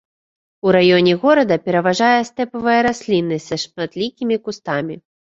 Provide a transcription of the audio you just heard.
У раёне горада пераважае стэпавая расліннасць са шматлікімі кустамі.